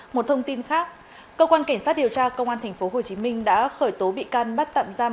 một thông tin khác cơ quan cảnh sát điều tra công an tp hcm đã khởi tố bị can bắt tạm giam